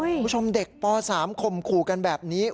คุณผู้ชมเด็กป๓คมขู่กันแบบนี้